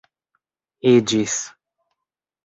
iĝis